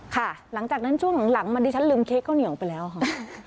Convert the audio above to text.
หลังจากนั้นช่วงหลังมาดิฉันลืมเค้กข้าวเหนียวไปแล้วค่ะ